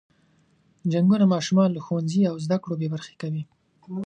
جنګونه ماشومان له ښوونځي او زده کړو بې برخې کوي.